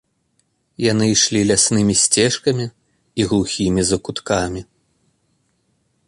Яны ішлі ляснымі сцежкамі і глухімі закуткамі.